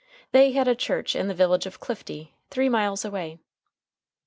They had a church in the village of Clifty, three miles away.